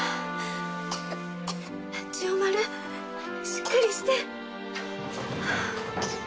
千代丸しっかりして！